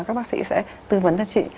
các bác sĩ sẽ tư vấn cho chị